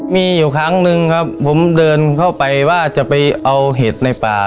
มีอยู่ครั้งหนึ่งครับผมเดินเข้าไปว่าจะไปเอาเห็ดในป่า